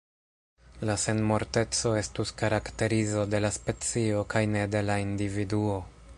La senmorteco estus karakterizo de la specio kaj ne de la individuo.